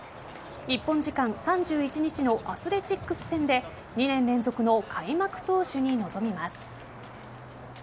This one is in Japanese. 日本時間３１日のアスレチックス戦で２年連続の開幕投手に臨みます。